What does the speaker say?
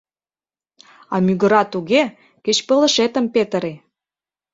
А мӱгыра туге, кеч пылышетым петыре.